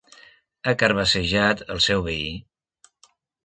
Ha carbassejat el seu veí.